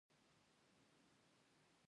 دا له رڼا څخه تیارې ته تګ و.